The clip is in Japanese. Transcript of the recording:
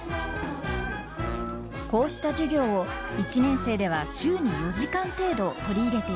こうした授業を１年生では週に４時間程度取り入れています。